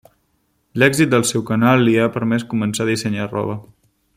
L'èxit del seu canal li ha permès començar a dissenyar roba.